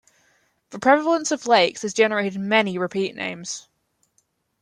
The prevalence of lakes has generated many repeat names.